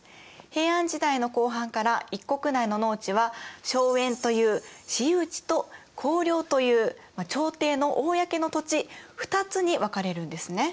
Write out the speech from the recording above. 平安時代の後半から一国内の農地は荘園という私有地と公領という朝廷の公の土地２つに分かれるんですね。